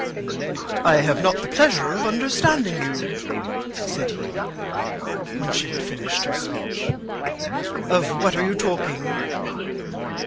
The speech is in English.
"I have not the pleasure of understanding you," said he, when she had finished her speech. "Of what are you talking?"